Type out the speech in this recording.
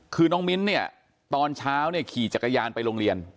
คือน้องมิ้นเนี่ยตอนเช้าเนี่ยขี่จักรยานไปโรงเรียน